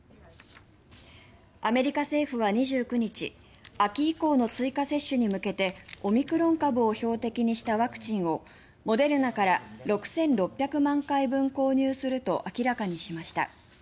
アメリカ政府は２９日秋以降の追加接種に向けてオミクロン株を標的にしたワクチンをモデルナから６６００万回分購入すると明らかにしました。